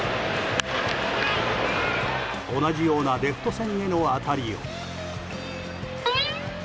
同じようなレフト線への当たりを。